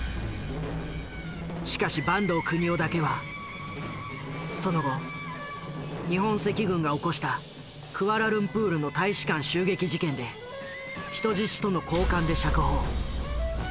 しかし坂東國男だけはその後日本赤軍が起こしたクアラルンプールの大使館襲撃事件で人質との交換で釈放。